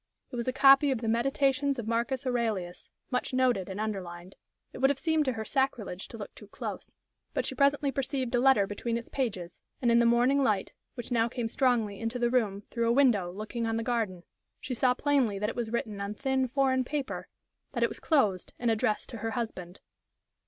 It was a copy of the Meditations of Marcus Aurelius, much noted and underlined. It would have seemed to her sacrilege to look too close; but she presently perceived a letter between its pages, and in the morning light, which now came strongly into the room through a window looking on the garden, she saw plainly that it was written on thin, foreign paper, that it was closed, and addressed to her husband.